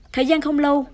thời gian không lâu